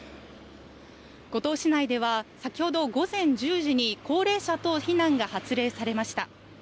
五島市内では先ほど午前１０時に高齢者等避難が発令されました。